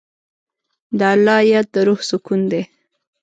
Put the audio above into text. د الله یاد د روح سکون دی.